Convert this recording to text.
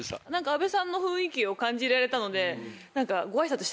阿部さんの雰囲気を感じられたので。